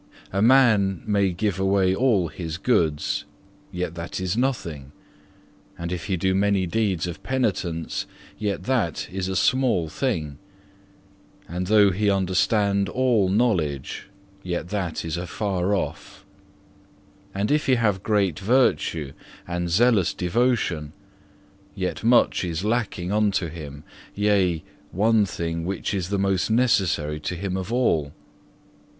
A man may give away all his goods, yet that is nothing; and if he do many deeds of penitence, yet that is a small thing; and though he understand all knowledge, yet that is afar off; and if he have great virtue and zealous devotion, yet much is lacking unto him, yea, one thing which is the most necessary to him of all.